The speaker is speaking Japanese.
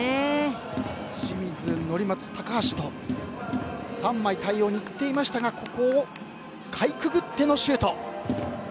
清水、乗松、高橋と３枚で対応していましたがここをかいくぐってのシュート。